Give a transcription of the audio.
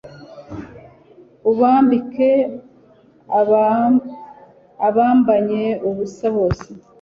ubambike abambaye ubusa bose